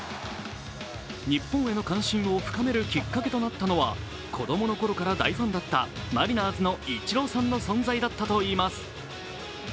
日本への関心を深めるきっかけとなったのは子供のころから大ファンだったマリナーズのイチローさんの存在だったといいます。